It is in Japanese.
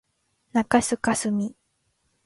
中須かすみ